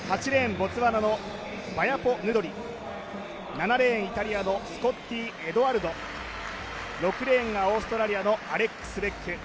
バヤポ・ヌドリ７レーン、イタリアのスコッティ・エドアルド６レーンがオーストラリアのアレックス・ベック。